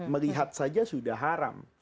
melihat saja sudah haram